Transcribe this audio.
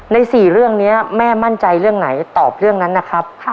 ๔เรื่องนี้แม่มั่นใจเรื่องไหนตอบเรื่องนั้นนะครับ